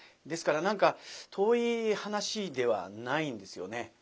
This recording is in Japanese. ですから何か遠い話ではないんですよね。